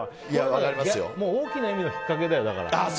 大きな意味の引っかけだよだから。